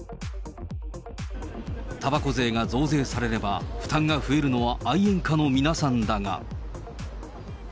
たばこ税が増税されれば、負担が増えるのは愛煙家の皆さんだが。